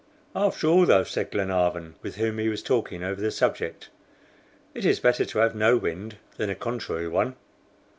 "After all, though," said Glenarvan, with whom he was talking over the subject, "it is better to have no wind than a contrary one."